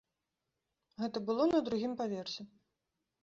Гэта было на другім паверсе.